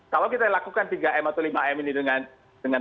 kalau kita lakukan tiga m atau lima m ini dengan